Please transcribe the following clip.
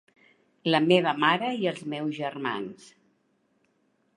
La meva mare i els meus germans.